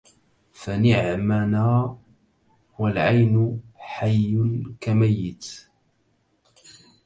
فنعمنا والعين حي كميت